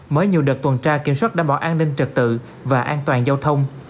mới nhiều đợt tuần tra kiểm soát đảm bảo an ninh trực tự và an toàn giao thông